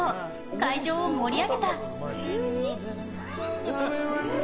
会場を盛り上げた。